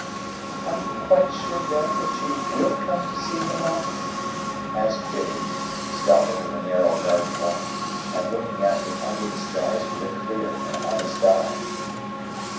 "Are you quite sure, then, that you WILL come to see him often?" asked Biddy, stopping in the narrow garden walk, and looking at me under the stars with a clear and honest eye.